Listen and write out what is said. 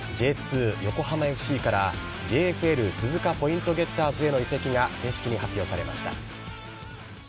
Ｊ２・横浜ＦＣからＪＦＬ鈴鹿ポイントゲッターズへの移籍が正式に発表されました。